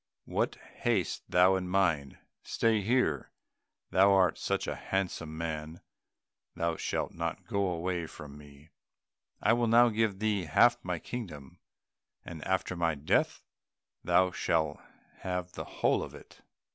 what hast thou in mind? Stay here, thou art such a handsome man, thou shalt not go away from me. I will now give thee half my kingdom, and after my death thou shalt have the whole of it."